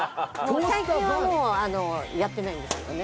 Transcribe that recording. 最近はもうやってないんですよね。